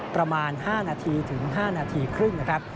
ประมาณ๕นาทีถึง๕นาทีครึ่งนะครับ